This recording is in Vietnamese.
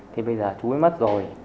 thì bây giờ chú ấy mất rồi